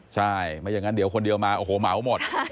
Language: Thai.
ใช่ไม่อย่างนั้นเดี๋ยวคนเดียวมาโอ้โหเหมาหมด